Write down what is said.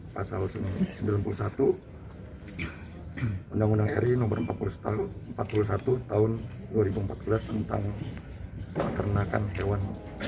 pasal sembilan puluh satu mendang endang ri nomor empat puluh satu tahun dua ribu empat belas tentang perenakan hewan dan kejahatan hewan